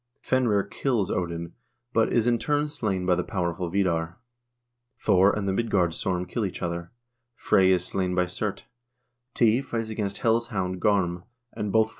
Fenre kills Odin, but is in turn slain by the powerful Vidar. Thor and the Midgards orm kill each other ; Frey is slain by Surt ; Ty fights against Hel's hound Garm, and both fall.